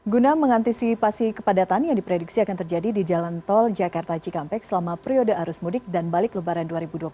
guna mengantisipasi kepadatan yang diprediksi akan terjadi di jalan tol jakarta cikampek selama periode arus mudik dan balik lebaran dua ribu dua puluh tiga